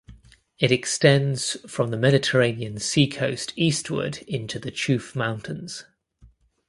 It extends from the Mediterranean Sea coast eastward into the Chouf mountains.